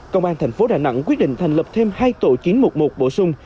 công an thành phố đà nẵng quyết định thành lập thêm hai tổ chiến mục một bổ sung